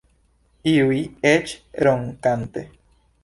Iuj eĉ ronkante.